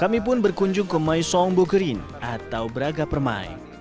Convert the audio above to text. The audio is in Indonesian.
kami pun berkunjung ke maisong bukerin atau braga permain